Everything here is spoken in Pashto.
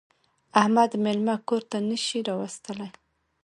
احمد مېلمه کور ته نه شي راوستلی.